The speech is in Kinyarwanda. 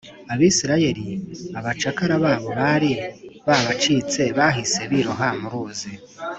abisirayeli abacakara babo bari babacitse bahise biroha muruzi